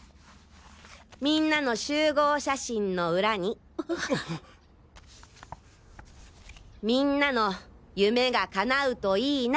みんなの集合写真の裏に「みんなの夢が叶うといいな」